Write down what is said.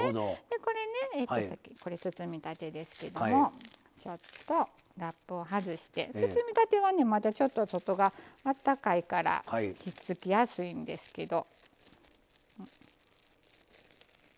これね包みたてですけどもちょっとラップを外して包みたてはまだちょっと外があったかいからひっつきやすいんですけど。